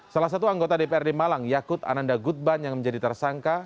salah satu anggota dprd malang yakut ananda gutban yang menjadi tersangka